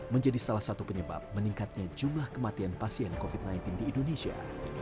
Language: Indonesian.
menjadi salah satu penyebab meningkatnya jumlah kematian pasien covid sembilan belas di indonesia